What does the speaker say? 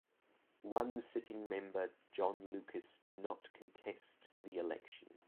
One sitting member John Lucas did not contest the election.